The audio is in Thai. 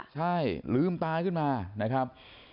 ใช่ลืมตาขึ้นมานะครับ